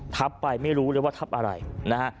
ทับไปไม่รู้เลยว่าทับอะไรนะฮะ